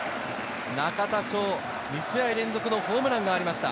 中田翔、２試合連続のホームランがありました。